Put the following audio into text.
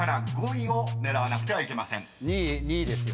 ２位２位ですよ